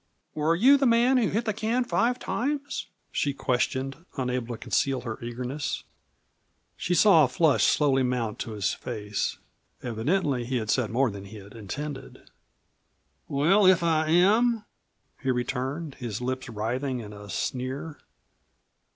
"Were you the man who hit the can five times?" she questioned, unable to conceal her eagerness. She saw a flush slowly mount to his face. Evidently he had said more than he had intended. "Well, if I am?" he returned, his lips writhing in a sneer.